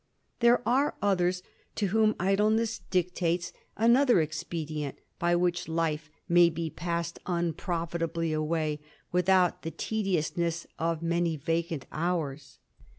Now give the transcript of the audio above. "Riere are others to whom idleness dictates another 294 THE IDLER. expedient, by which life may be passed unprofit without the tediousness of many vacant hours.